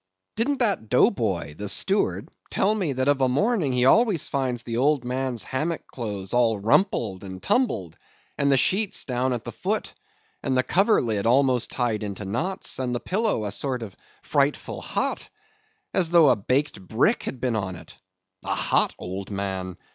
Didn't that Dough Boy, the steward, tell me that of a morning he always finds the old man's hammock clothes all rumpled and tumbled, and the sheets down at the foot, and the coverlid almost tied into knots, and the pillow a sort of frightful hot, as though a baked brick had been on it? A hot old man!